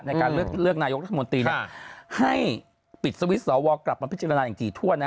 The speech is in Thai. ในการเลือกนายกรัฐมนตรีให้ปิดสวิตช์สวกลับมาพิจารณาอย่างถี่ทั่วนะ